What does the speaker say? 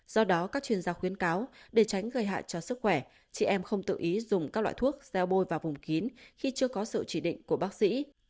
do đó các chuyên gia khuyến cáo để tránh gây hại cho sức khỏe chị em không tự ý dùng các loại thuốc gieo bôi vào vùng kín khi chưa có sự chỉ định của bác sĩ